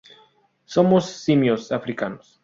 Somos simios africanos.